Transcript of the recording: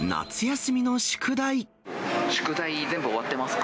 宿題、全部終わってますか？